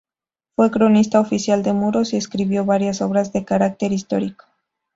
Fue cronista oficial de Muros y escribió varias obras de carácter histórico.